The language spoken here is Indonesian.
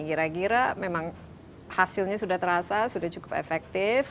kira kira pesarannya sudah terasa cukup efektif